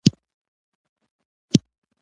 د اورګاډي پټلۍ په هغه ځای کې ګړنګ وزمه او تنګه وه.